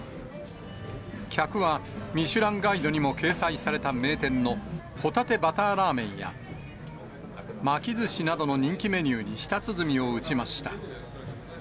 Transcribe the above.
客はミシュランガイドにも掲載された名店のホタテバターラーメンや、巻きずしなどの人気メニューに舌鼓を打ちました。